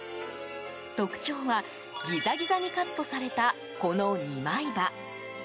特徴は、ギザギザにカットされたこの２枚刃。